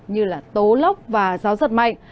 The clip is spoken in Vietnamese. như là tố lốc và gió giật mạnh